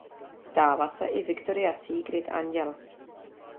Stála se i "Victoria Secret Anděl".